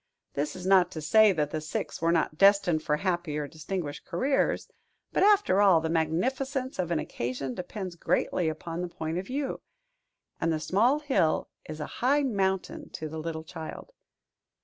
This is not to say that the six were not destined for happy or distinguished careers; but, after all, the magnificence of an occasion depends greatly upon the point of view; and the small hill is a high mountain to the little child.